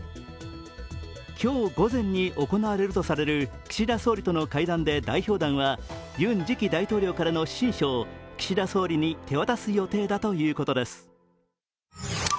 今日午前に行われるとされる岸田総理との会談で代表団はユン次期大統領からの親書を岸田総理に手渡す予定だということです。